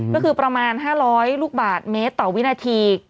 ก็คือประมาณ๕๐๐ลูกบาทเมตรต่อวินาที